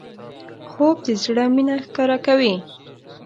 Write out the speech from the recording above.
خوب د زړه مینه ښکاره کوي